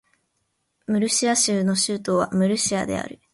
ムルシア州の州都はムルシアである